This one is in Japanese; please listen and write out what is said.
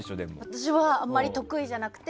私はあまり得意じゃなくて。